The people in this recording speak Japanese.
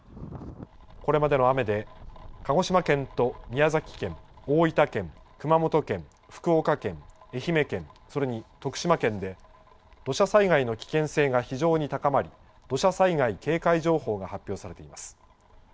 これまでの雨で鹿児島県と宮崎県、大分県、熊本県、福岡県、愛媛県、それに徳島県で土砂災害の危険性が非常に高まり、土砂災害警戒情報が発表されています。